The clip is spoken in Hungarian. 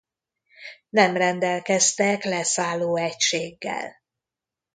Nem rendelkeztek leszálló egységgel.